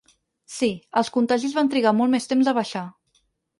Sí, els contagis van trigar molt més temps a baixar.